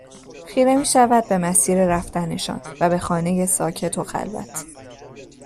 خیره میشود به مسیر رفتنشان و به خانه ساکت و خلوت